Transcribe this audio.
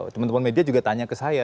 teman teman media juga tanya ke saya